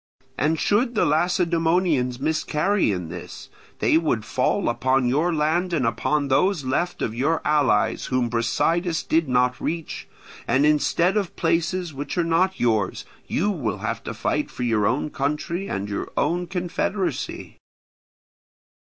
And should the Lacedaemonians miscarry in this, they would fall upon your land, and upon those left of your allies whom Brasidas did not reach; and instead of places which are not yours, you will have to fight for your own country and your own confederacy.